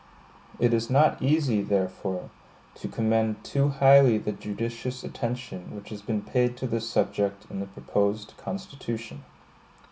It is not easy, therefore, to commend too highly the judicious attention which has been paid to this subject in the proposed Constitution.